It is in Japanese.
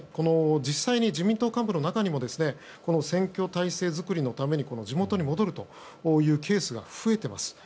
実際に自民党幹部の中にも選挙態勢づくりのために地元に戻るというケースが増えています。